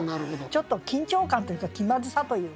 ちょっと緊張感というか気まずさというかね。